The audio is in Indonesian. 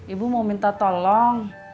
ibu mau minta tolong